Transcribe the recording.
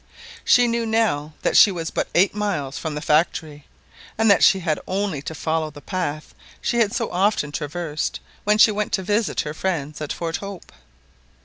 She knew now that she was but eight miles from the factory, and that she had only to follow the path she had so often traversed when she went to visit her friends at Fort Hope.